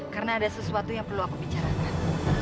karena ada sesuatu yang perlu aku bicarakan